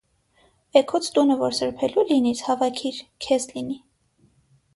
էգուց տունը որ սրբելու լինիս, հավաքիր, քեզ լինի: